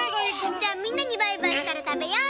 じゃあみんなにバイバイしたらたべよう！